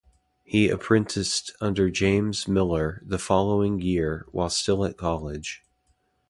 He apprenticed under James Miller the following year while still at college.